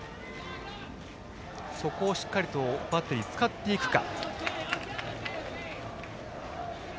そこをしっかりバッテリーが使っていくか。